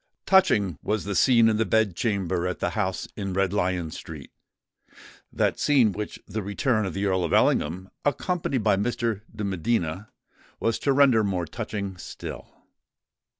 Touching was the scene in the bed chamber at the house in Red Lion Street,—that scene which the return of the Earl of Ellingham, accompanied by Mr. de Medina, was to render more touching still.